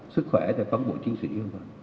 sức khỏe phóng bộ chiến sĩ